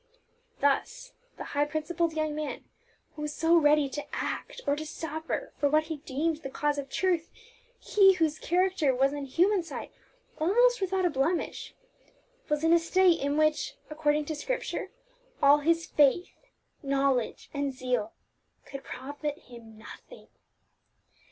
Thus the high principled young man, who was so ready to act or to suffer for what he deemed the cause of truth; he whose character was in human sight almost without a blemish, was in a state in which, according to Scripture, all his faith, knowledge, and zeal could profit him nothing.